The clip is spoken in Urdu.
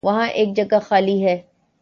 وہاں ایک جگہ خالی ہے۔